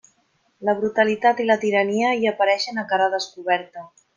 La brutalitat i la tirania hi apareixen a cara descoberta.